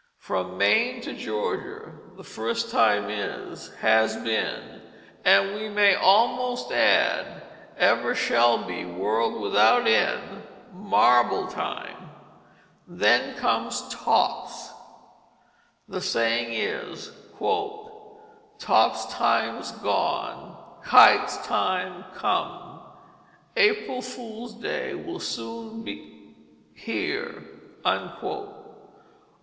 From Maine to Georgia the first time is, has been (and we may almost add "ever shall be world without end"), marble time. Then come tops. The saying is, "Top time's gone, kite time's come, April Fool's Day will soon be here."